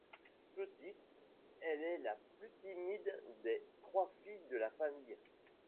Petite, elle est la plus timide des trois filles de la famille.